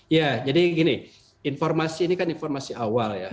ya jadi gini informasi ini kan informasi awal ya